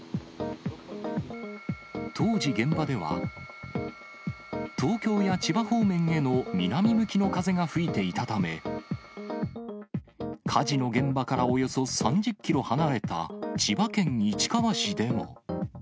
当時、現場では東京や千葉方面への南向きの風が吹いていたため、火事の現場からおよそ３０キロ離れた千葉県市川市でも。